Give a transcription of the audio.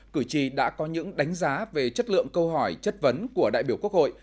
cử tri đã có những đánh giá về chất lượng câu hỏi chất vấn của đại biểu quốc hội